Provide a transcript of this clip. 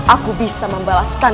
aku bisa membalaskan